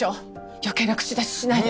余計な口出ししないで。